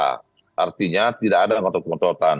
berarti tidak ada yang akan diotot ototan